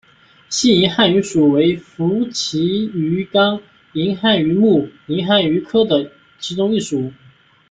细银汉鱼属为辐鳍鱼纲银汉鱼目银汉鱼科的其中一属。